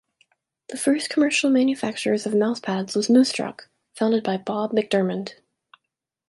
The first commercial manufacturer of mousepads was Moustrak, founded by Bob McDermand.